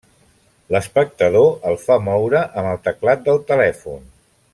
L'espectador el fa moure amb el teclat del telèfon.